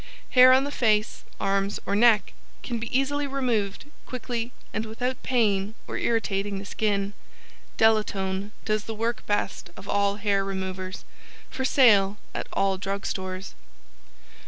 ] Hair on the Face Arms or Neck can be easily removed quickly and without pain or irritating the skin. DELATONE does the work best of all hair removers. For sale at all Drug Stores.